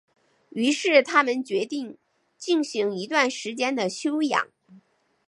于是他们决定进行一段时间的休养。